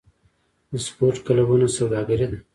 د سپورت کلبونه سوداګري ده؟